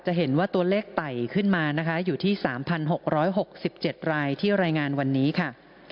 เห็นว่าตัวเลขไต่ขึ้นมานะคะอยู่ที่๓๖๖๗รายที่รายงานวันนี้ค่ะ